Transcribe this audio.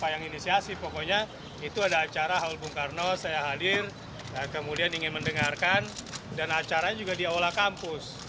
yang inisiasi pokoknya itu ada acara hal bung karno saya hadir kemudian ingin mendengarkan dan acaranya juga di aula kampus